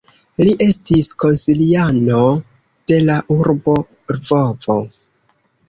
Li estis konsiliano de la urbo Lvovo.